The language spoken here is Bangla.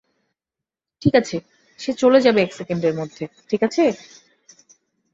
ঠিক আছে, সে চলে যাবে এক সেকেন্ডের মধ্যে, ঠিক আছে?